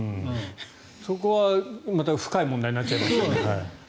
そこは深い問題になっちゃいますけど。